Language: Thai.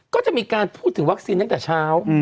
ก็จะมีการพูดถึงวัคซีนตั้งแต่เช้า